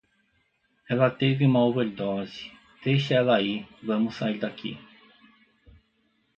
Ela teve uma overdose, deixa ela aí, vamos sair daqui